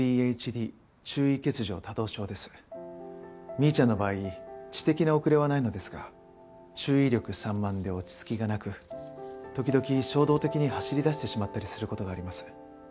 未依ちゃんの場合知的な遅れはないのですが注意力散漫で落ち着きがなく時々衝動的に走り出してしまったりする事があります。